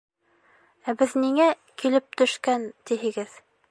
Ә беҙ ниңә килеп төшкән тиһегеҙ?